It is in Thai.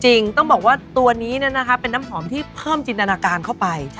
จริงต้องบอกว่าตัวนี้เนี้ยนะคะเป็นน้ำหอมที่เพิ่มจินอนาการเข้าไป